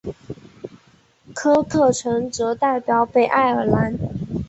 科克城则代表北爱尔兰。